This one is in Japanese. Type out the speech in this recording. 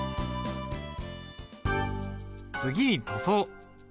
次に塗装。